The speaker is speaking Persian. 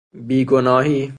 بی گناهی